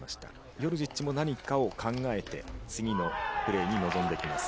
ヨルジッチも何かを考えて次のプレーに臨んできます。